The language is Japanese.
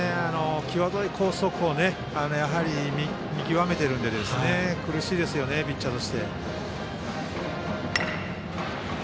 際どいコースを見極めているので苦しいですよね、ピッチャーは。